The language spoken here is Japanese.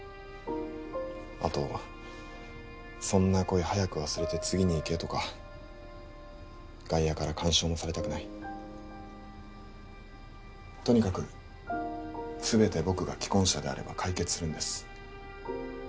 あと「そんな恋早く忘れて次にいけ」とか外野から干渉もされたくないとにかく全て僕が既婚者であれば解決するんです